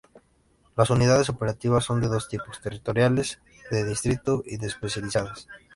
Las Unidades Operativas son de dos tipos: territoriales de distrito y especializadas.